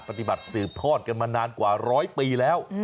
ปฏิบัติสืบทอดกันมานานกว่าร้อยปีแล้ว